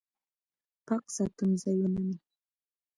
پاک ساتم ځایونه مې